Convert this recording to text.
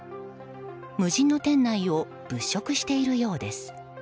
無人の店内を物色しているようです。